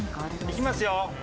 行きますよ。